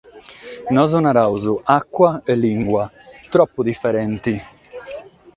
Nosu naraus “àcua” e “lìngua”, tropu diferenti!